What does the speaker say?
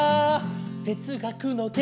「哲学の哲」